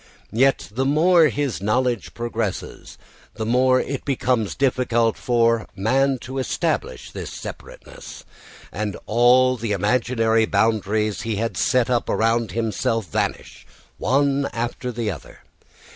Yet the more his knowledge progresses, the more it becomes difficult for man to establish this separateness, and all the imaginary boundaries he had set up around himself vanish one after another.